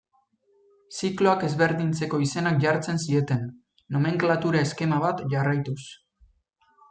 Zikloiak ezberdintzeko izenak jartzen zieten, nomenklatura eskema bat jarraituz.